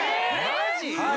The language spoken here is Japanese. マジ？